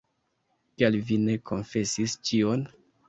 Kial vi ne konfesis ĉion?